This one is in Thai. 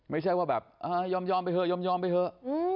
ไม่ใช่ว่าแบบยอมไปเถอยอมไปเถอะ